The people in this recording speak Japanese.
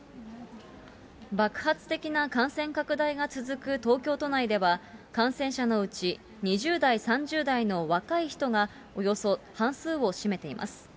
爆発的な感染拡大が続く東京都内では、感染者のうち２０だい、３０代の若い人がおよそ半数を占めています。